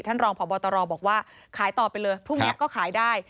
รองพบตรบอกว่าขายต่อไปเลยพรุ่งนี้ก็ขายได้